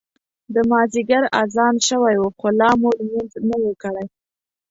د مازیګر اذان شوی و خو لا مو لمونځ نه و کړی.